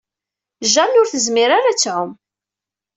Jane ur tezmir ara ad tɛum.